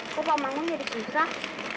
kok pak mangun jadi susah